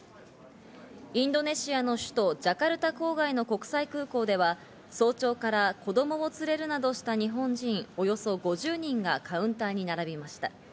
インドネシアの首都・ジャカルタ郊外の国際空港では、早朝から子供を連れるなどした日本人およそ５０人がカウンターに並びました。